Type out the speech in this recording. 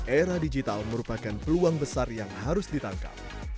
era digital merupakan peluang besar yang harus ditangkap